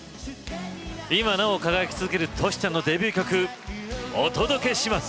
今なお輝き続けるトシちゃんのデビュー曲をお届けします。